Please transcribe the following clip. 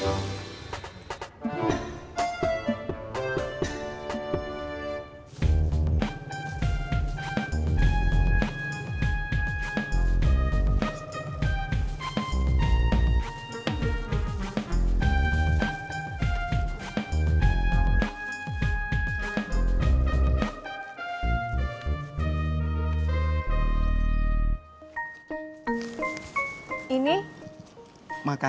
pak aroo bersama sama